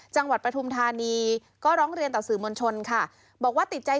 จังหวัดประธุมธานีก็ร้องเรียนต่อสื่อมวลชนค่ะ